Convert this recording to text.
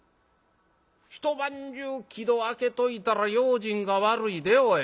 『一晩中木戸開けといたら用心が悪いでおい。